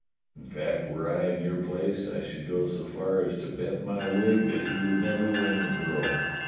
In fact, were I in your place, I should go so far as to bet my wig that he would never win the girl.